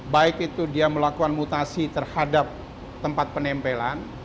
baik itu dia melakukan mutasi terhadap tempat penempelan